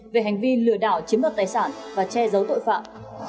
về hành vi lừa đảo chiếm đoạt tài sản và che giấu tội phạm